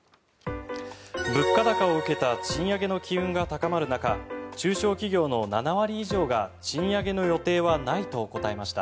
物価高を受けた賃上げの機運が高まる中中小企業の７割以上が賃上げの予定はないと答えました。